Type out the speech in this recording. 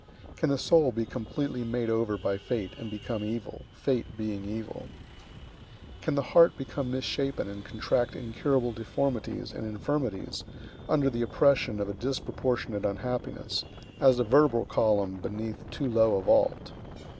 Can the soul be completely made over by fate, and become evil, fate being evil? Can the heart become misshapen and contract incurable deformities and infirmities under the oppression of a disproportionate unhappiness, as the vertebral column beneath too low a vault?